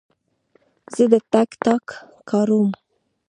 زه د ټک ټاک کاروم.